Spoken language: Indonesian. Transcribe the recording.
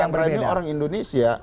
karena pak archandra ini orang indonesia